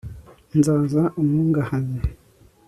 nzaza unkungahaze